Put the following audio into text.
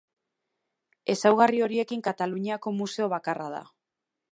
Ezaugarri horiekin Kataluniako museo bakarra da.